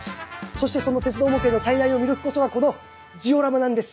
そしてその鉄道模型の最大の魅力こそがこのジオラマなんです！